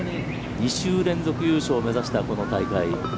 ２週連続優勝を目指したこの大会。